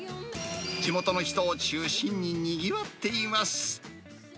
地元の人を中心ににぎわっています。